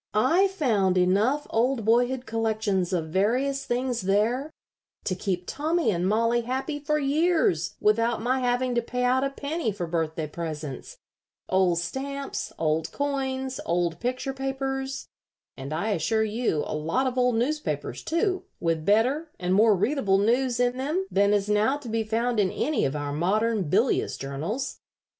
"I found enough old boyhood collections of various things there to keep Tommy and Mollie happy for years without my having to pay out a penny for birthday presents old stamps, old coins, old picture papers, and, I assure you, a lot of old newspapers, too, with better and more readable news in them than is now to be found in any of our modern bilious journals.